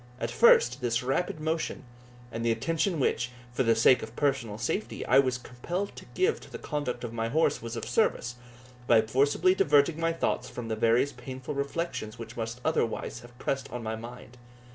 At first, this rapid motion, and the attention which, for the sake of personal safety, I was compelled to give to the conduct of my horse, was of service, by forcibly diverting my thoughts from the various painful reflections which must otherwise have pressed on my mind.